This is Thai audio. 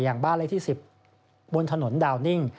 บ้านเลขที่๑๐บนถนนดาวนิ่ง